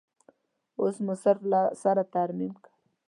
اوس مو صرف له سره ترمیم کړ.